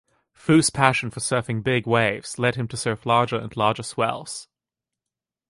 Foo's passion for surfing big waves led him to surf larger and larger swells.